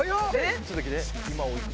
ちょっと来て。